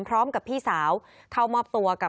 พร้อมกับพี่สาวเข้ามอบตัวกับ